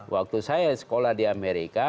waktu saya sekolah di amerika